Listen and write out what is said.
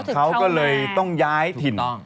เขาก็เลยต้องย้ายถิ่น